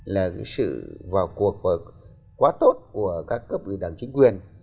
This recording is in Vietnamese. là sự vào cuộc quá tốt của các cấp ủy đảng chính quyền